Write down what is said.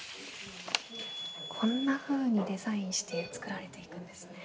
こんなふうにデザインして作られていくんですね。